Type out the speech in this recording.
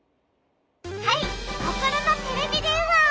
はいココロのテレビでんわ。